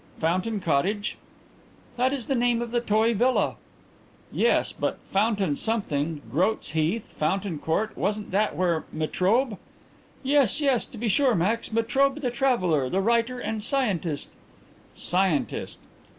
"Fountain Cottage?" "That is the name of the toy villa." "Yes, but Fountain something, Groat's Heath Fountain Court: wasn't that where Metrobe ?" "Yes, yes, to be sure, Max. Metrobe the traveller, the writer and scientist " "Scientist!"